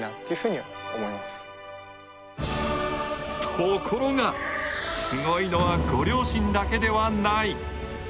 ところがすごいのはご両親だけではない。